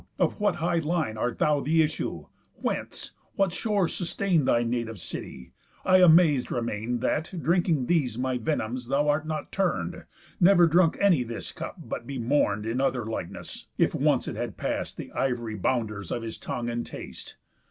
Of what high line Art thou the issue? Whence? What shores sustain Thy native city? I amaz'd remain That, drinking these my venoms, th' art not turn'd. Never drunk any this cup but be mourn'd In other likeness, if it once had pass'd The ivory bounders of his tongue and taste.